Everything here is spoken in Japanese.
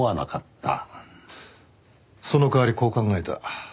その代わりこう考えた。